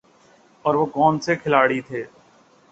اور وہ کون سے کھلاڑی تھے ۔